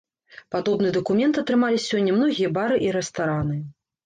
Падобны дакумент атрымалі сёння многія бары і рэстараны.